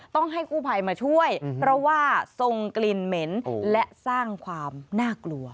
ต้องให้กู้ภัยมาช่วยเพราะว่าทรงกลิ่นเหม็นและสร้างความน่ากลัว